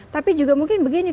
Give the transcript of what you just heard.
tapi juga mungkin begini